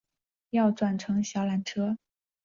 要转乘小缆车